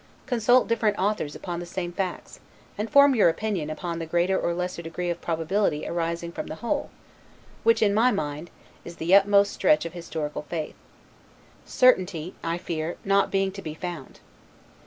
Consult different authors upon the same facts, and form your opinion upon the greater or lesser degree of probability arising from the whole, which, in my mind, is the utmost stretch of historical faith; certainty (I fear) not being to be found.